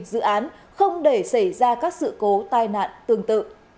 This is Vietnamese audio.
dự án không để xảy ra các sự cố tai nạn tương tự